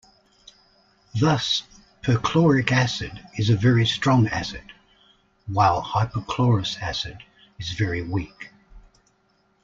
Thus perchloric acid is a very strong acid while hypochlorous acid is very weak.